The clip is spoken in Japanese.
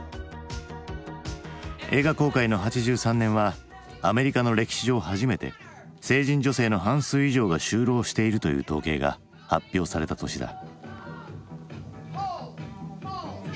映画公開の８３年はアメリカの歴史上初めて成人女性の半数以上が就労しているという統計が発表された年だ。